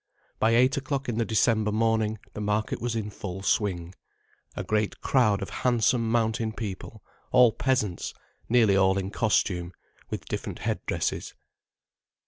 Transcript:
By eight o'clock in the December morning the market was in full swing: a great crowd of handsome mountain people, all peasants, nearly all in costume, with different head dresses.